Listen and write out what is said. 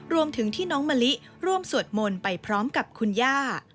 รวมถึงที่น้องมะลิร่วมสวดมนต์ไปพร้อมกับคุณย่า